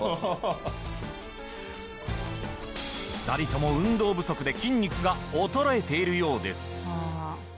２人とも運動不足で筋肉が衰えているようです。